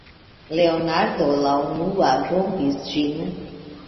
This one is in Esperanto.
Leonardo la unua rompis ĝin: